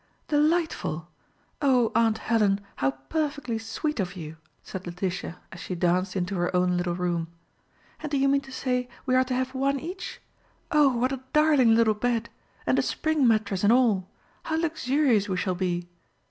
"Delightful! Oh, Aunt Helen, how perfectly sweet of you," said Letitia, as she danced into her own little room. "And do you mean to say we are to have one each. Oh, what a darling little bed—and a spring mattress and all. How luxurious we shall be.